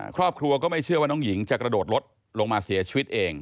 ครอบครัวก็ไม่เชื่อว่าน้องหญิงจะกระโดดรถลงมาเสียชีวิตเอง